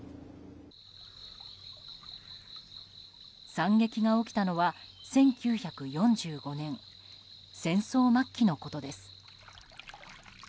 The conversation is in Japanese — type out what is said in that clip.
惨劇が起きたのは１９４５年戦争末期のことです。